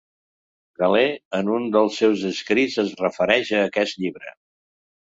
Galè en un dels seus escrits es refereix a aquest llibre.